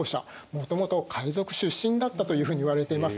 もともと海賊出身だったというふうにいわれています。